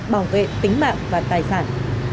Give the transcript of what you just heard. bảo vệ tính mạng và tài sản